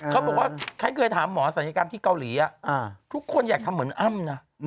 เขาบอกว่าฉันเคยถามหมอศัลยกรรมที่เกาหลีทุกคนอยากทำเหมือนอ้ำนะ